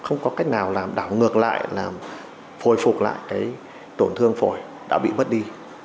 nào làm đảo ngược lại làm phôi phục lại cái tổn thương phổi đã bị mất đi